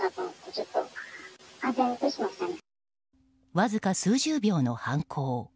わずか数十秒の犯行。